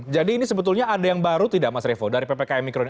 jadi ini sebetulnya ada yang baru tidak mas revo dari ppkm mikro ini